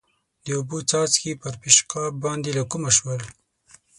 د اوبو څاڅکي پر پېشقاب باندې له کومه شول؟